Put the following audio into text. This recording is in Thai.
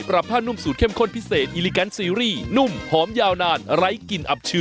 ไปก็ได้